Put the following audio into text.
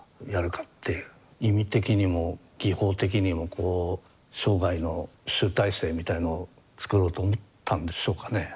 意味的にも技法的にもこう生涯の集大成みたいのを作ろうと思ったんでしょうかね。